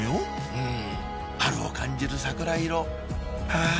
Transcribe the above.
うん春を感じる桜色はぁ